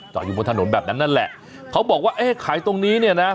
อยู่บนถนนแบบนั้นนั่นแหละเขาบอกว่าเอ๊ะขายตรงนี้เนี่ยนะ